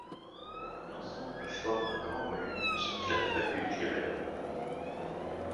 L'ensemble forme un grand volume de qu'il a fallu éclairer.